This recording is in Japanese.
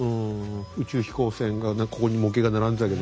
宇宙飛行船がここに模型が並んでたけど。